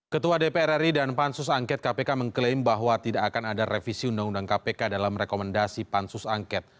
ketua dpr ri dan pansus angket kpk mengklaim bahwa tidak akan ada revisi undang undang kpk dalam rekomendasi pansus angket